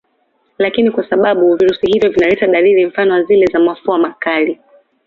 Lakini kwa sababu virusi hivyo vinaleta dalili mfano wa zile za mafua makali